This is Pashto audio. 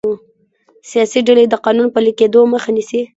سیاسي ډلې د قانون پلي کیدو مخه نیسي